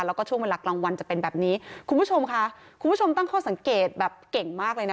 แล้วก็ช่วงเวลากลางวันจะเป็นแบบนี้คุณผู้ชมค่ะคุณผู้ชมตั้งข้อสังเกตแบบเก่งมากเลยนะ